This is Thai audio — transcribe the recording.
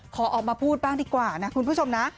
ขอออกมาพูดบ้างดีกว่านะคุณผู้ชมนะ